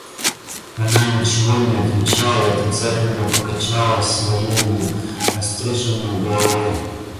Она ничего не отвечала и отрицательно покачала своею остриженною головой.